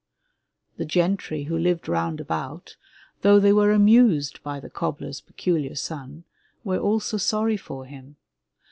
The gentry who Hved round about, though they were amused by the cobbler's peculiar son, were also sorry for him.